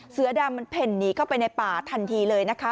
เสือดำมันเพ่นหนีเข้าไปในป่าทันทีเลยนะคะ